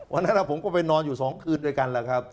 วันนั้นผมก็ไปนอนอยู่๒คืนด้วยกันแหละครับ